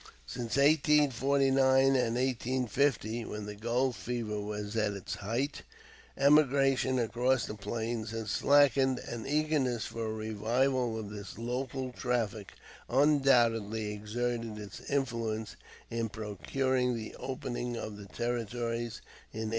Since 1849 and 1850, when the gold fever was at its height, emigration across the plains had slackened, and the eagerness for a revival of this local traffic undoubtedly exerted its influence in procuring the opening of the territories in 1854.